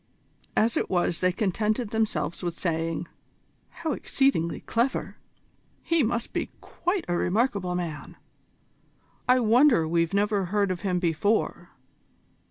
As it was they contented themselves with saying: "How exceedingly clever!" "He must be quite a remarkable man!" "I wonder we've never heard of him before!"